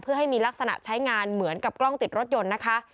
เพื่อให้มีลักษณะใช้งานเหมือนกับกล้องติดรถยนต์นะคะ